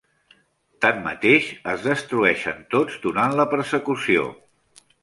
Tanmateix, es destrueixen tots durant la persecució.